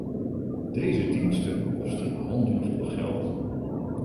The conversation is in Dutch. Deze diensten kosten handenvol geld.